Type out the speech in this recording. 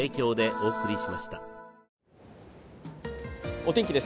お天気です。